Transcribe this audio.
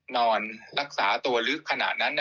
นอนรักษาตัวลึกขนาดนั้น